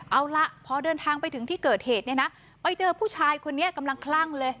เอาล่ะพอเดินทางไปถึงที่เกิดเหตุเนี่ยนะไปเจอผู้ชายคนนี้กำลังคลั่งเลย